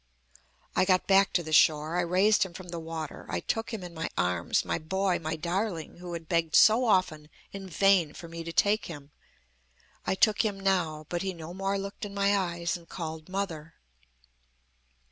"I got back to the shore. I raised him from the water. I took him in my arms, my boy, my darling, who had begged so often in vain for me to take him. I took him now, but he no more looked in my eyes and called 'Mother.'